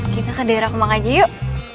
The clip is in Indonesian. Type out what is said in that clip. kita ke daerah kemang aja yuk